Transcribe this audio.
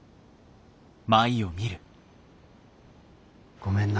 ごめんな。